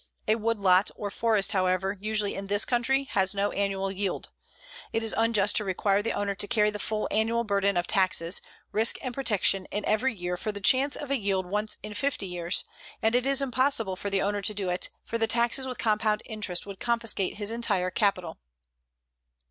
A woodlot or forest, however, usually in this country has no annual yield. It is unjust to require the owner to carry the full annual burden of taxes, risk and protection in every year for the chance of a yield once in fifty years, and it is impossible for the owner to do it, for the taxes with compound interest would confiscate his entire capital.